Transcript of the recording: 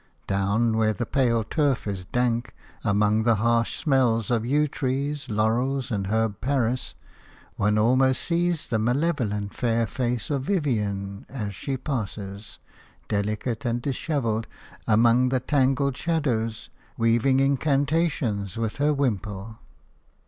Down where the pale turf is dank, among the harsh smells of yew trees, laurels and Herb Paris, one almost sees the malevolent fair face of Vivian, as she passes – delicate and dishevelled – among the tangled shadows, weaving incantations with her wimple.